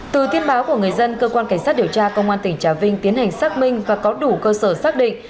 từ tiên báo của người dân cơ quan cảnh sát điều tra công an tỉnh trà vinh tiến hành xác minh và có đủ cơ sở xác định